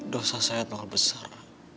dosa saya telah besar